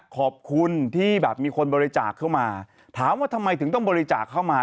ขอบคุณที่แบบมีคนบริจาคเข้ามาถามว่าทำไมถึงต้องบริจาคเข้ามา